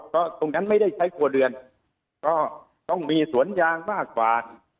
เพราะตรงนั้นไม่ได้ใช้ครัวเรือนก็ต้องมีสวนยางมากกว่า